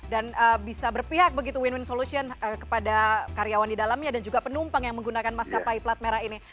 dan bisa berpihak begitu win win solution kepada karyawan di dalamnya dan juga penumpang yang menggunakan maskapai plat merah ini